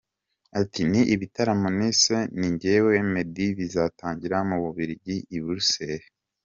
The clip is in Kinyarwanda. Ati “Ni ibitaramo nise ‘Ni Njyewe Meddy’, bizatangirira mu Bubiligi i Bruxelles.